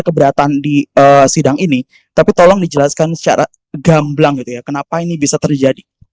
keberatan di sidang ini tapi tolong dijelaskan secara gamblang gitu ya kenapa ini bisa terjadi